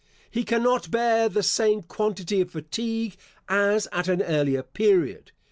He cannot bear the same quantity of fatigue as at an earlier period.